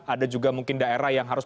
ada juga mungkin daerah yang harus